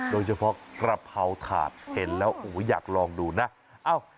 โดยเฉพาะกะเพราถาดเห็นแล้วอยากลองดูนะ